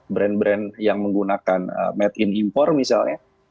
brand brand yang menggunakan made in impor misalnya